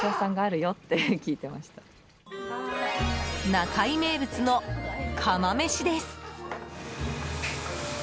なかい名物の釜飯です。